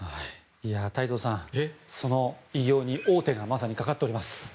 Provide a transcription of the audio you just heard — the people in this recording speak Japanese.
太蔵さん、その偉業に王手がまさにかかっております。